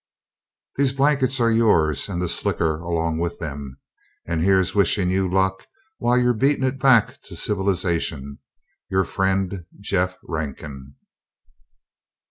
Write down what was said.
These blankets are yours and the slicker along with them and heres wishin you luck while youre beatin it back to civlizashun. your friend, JEFF RANKIN.